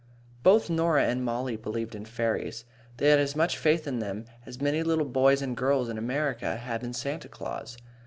Both Norah and Mollie believed in fairies. They had as much faith in them as many little boys and girls in America have in Santa Claus.